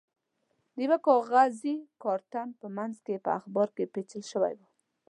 د یوه کاغذي کارتن په منځ کې په اخبار کې پېچل شوی و.